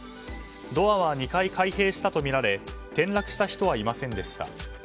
ドアは２回開閉したとみられ転落した人はいませんでした。